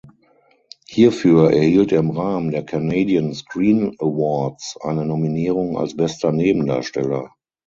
Hierfür erhielt er im Rahmen der Canadian Screen Awards eine Nominierung als bester Nebendarsteller.